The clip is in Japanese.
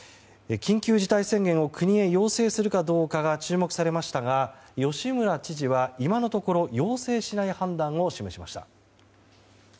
緊急事態宣言を国へ要請するかどうかが注目されましたが吉村知事は今のところ要請しない判断を示しました。